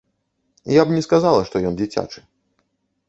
Я б не сказала, што ён дзіцячы.